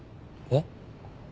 えっ？